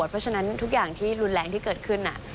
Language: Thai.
เพราะฉะนั้นทุกอย่างที่รุนแรงที่เกิดขึ้น